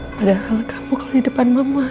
padahal kamu kalau di depan mama